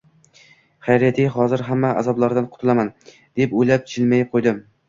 Xayriyat-ey, hozir hamma azoblardan qutulaman, deb o`ylab, jilmayib qo`ydim